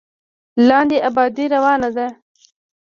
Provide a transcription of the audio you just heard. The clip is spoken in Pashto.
لاندې ابادي روانه ده.